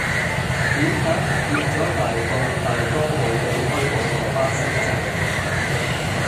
點解唔見左大埔大光里對開嗰個巴士站